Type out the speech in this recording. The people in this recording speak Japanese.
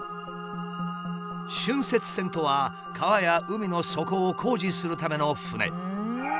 浚渫船とは川や海の底を工事するための船。